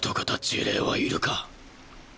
呪霊はいるか？